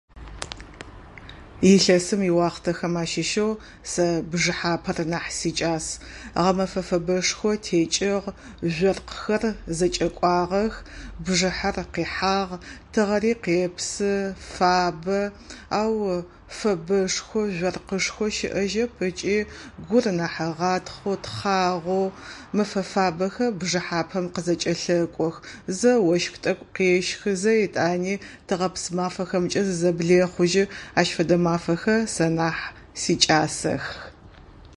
Илъэсым и уахътэхэм ащыщэу сэ бжъыхьапэр нахь сикӏас. Гъэмэфэ фэбэшхо текӏыгъ, жъоркъхэр зэкӏэкӏуагъэх. Бжъыхьэр къихьагъ, тыгъэри къепсы, фабэ. Ау фэбэшхо жъоркъышхо щыӏэжьэп. Ыкӏи гур нахь ыгъатхъэу, тхъагъэу, мафэ фабэхэр бжъыхьапэм къызэкӏэлъэкӏох. Зэ ощх тӏэкӏу къещхы, зэ етӏани тыгъэпс мафэхэмкӏэ зызэблехъужьы. Ащ фэдэ мафэхэр сэ нахь сикӏасэх.